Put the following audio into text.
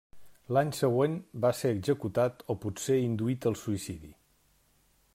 L'any següent va ser executat, o potser induït al suïcidi.